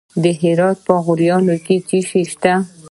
د هرات په غوریان کې څه شی شته؟